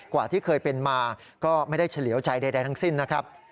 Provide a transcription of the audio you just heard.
ที่เคยเป็นมาก็ไม่ได้เฉลี่ยวใจใดทั้งสิ้นนะครับ